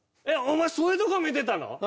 えっお前そういうとこ見てたの？